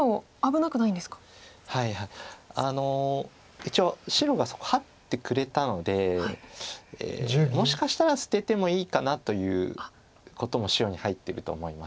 一応白がそこハッてくれたのでもしかしたら捨ててもいいかなということも視野に入ってると思います。